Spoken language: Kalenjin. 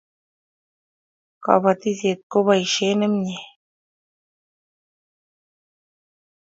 kapatishet ko poishet nemie